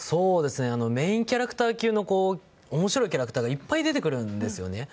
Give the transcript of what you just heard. メインキャラクター級の面白いキャラクターがいっぱい出てくるんですよね。